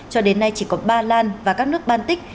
cho đến nay chỉ có ba lan và các nước baltic